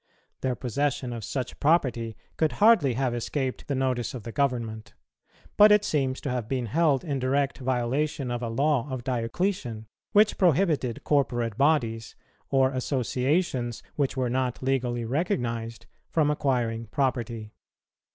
Their possession of such property could hardly have escaped the notice of the government; but it seems to have been held in direct violation of a law of Diocletian, which prohibited corporate bodies, or associations which were not legally recognized, from acquiring property.